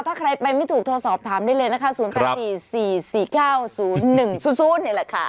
ถ้าใครไปไม่ถูกโทรสอบถามได้เลยนะคะ๐๘๔๔๔๙๐๑๐๐นี่แหละค่ะ